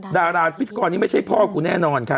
ดาราพิธีกรนี้ไม่ใช่พ่อกูแน่นอนค่ะ